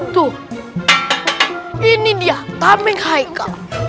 tuh ini dia tameng aika